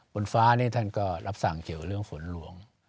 บนฟ้านี่ท่านก็รับสั่งเกี่ยวเรื่องฝนหลวง